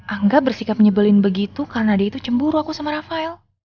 angga bersikap nyebelin begitu karena dia itu cemburu aku sama rafael